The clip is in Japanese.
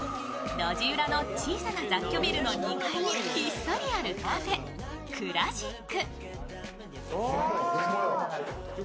路地裏の小さな雑居ビルの２階にひっそりあるカフェ、ＣＬＡＺＩＣ。